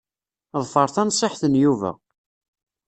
Ḍfer tanṣiḥt n Yuba.